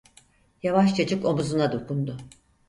Yavaşçacık omuzuna dokundu.